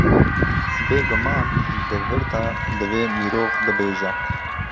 Bêguman di vir de divê mirov bibêje.